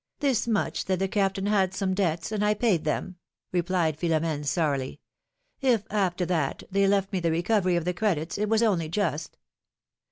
''This much, that the Captain had some debts, and I paid them," replied Philomene, sourly. "If, after that, they left me the recovery of the credits, it was only just."